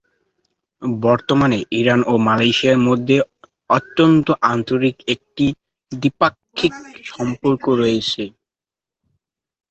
বর্তমানে ইরান ও মালয়েশিয়ার মধ্যে অত্যন্ত আন্তরিক একটি দ্বিপাক্ষিক সম্পর্ক রয়েছে।